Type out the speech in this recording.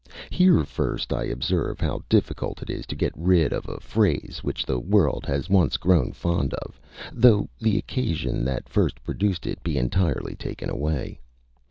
Here first I observe how difficult it is to get rid of a phrase which the world has once grown fond of, though the occasion that first produced it be entirely taken away.